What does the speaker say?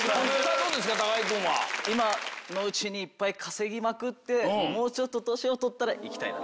どうですか、今のうちにいっぱい稼ぎまくって、もうちょっと年を取ったら行きたいなと。